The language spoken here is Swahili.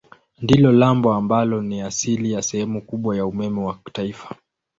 Ndilo lambo ambalo ni asili ya sehemu kubwa ya umeme wa taifa.